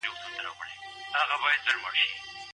تاسو د کومي سيمي اوسېدونکي ياست؟